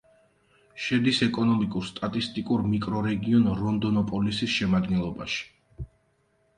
შედის ეკონომიკურ-სტატისტიკურ მიკრორეგიონ რონდონოპოლისის შემადგენლობაში.